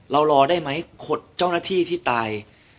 รอได้ไหมขดเจ้าหน้าที่ที่ตาย